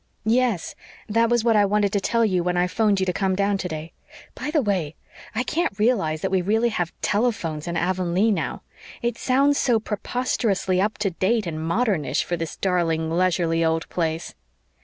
"Yes. That was what I wanted to tell you when I 'phoned to you to come down today. By the way, I can't realize that we really have telephones in Avonlea now. It sounds so preposterously up to date and modernish for this darling, leisurely old place."